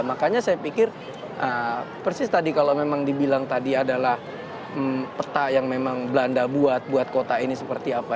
makanya saya pikir persis tadi kalau memang dibilang tadi adalah peta yang memang belanda buat buat kota ini seperti apa